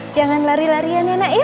jangan lari larian ya nak ya